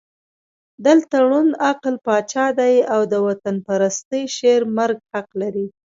دلته ړوند عقل پاچا دی او د وطنپرستۍ شعر مرګ حق لري.